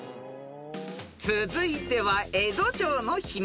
［続いては江戸城の秘密］